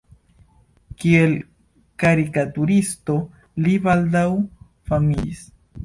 Kiel karikaturisto li baldaŭ famiĝis.